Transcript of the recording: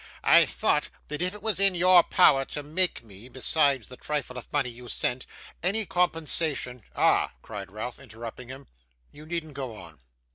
'I thought that if it was in your power to make me, besides the trifle of money you sent, any compensation ' 'Ah!' cried Ralph, interrupting him. 'You needn't go on.